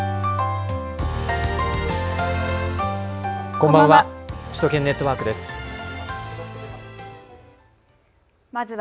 こんばんは。